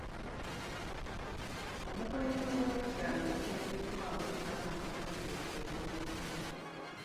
Omukulembeze w'ekyalo yateekeddwawo okulaba nti pulojekiti eggwa bulungi.